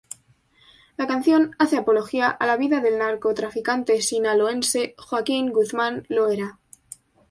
La canción hace apología a la vida del narcotraficante sinaloense Joaquín Guzmán Loera.